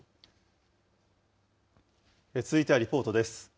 続いてはリポートです。